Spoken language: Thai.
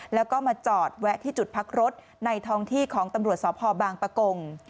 แล้วก็มาจอดแวะที่จุดพักรถในท้องที่ของตำรวจสพบางปะกง